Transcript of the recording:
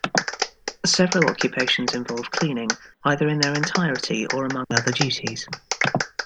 Several occupations involve cleaning, either in their entirety or among other duties.